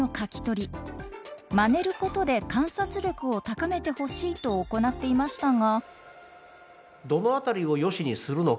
まねることで観察力を高めてほしいと行っていましたが。